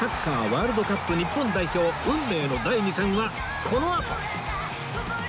ワールドカップ日本代表運命の第２戦はこのあと！